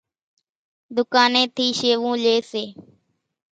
ڌُوڪانين ٿي شيوون لي سي۔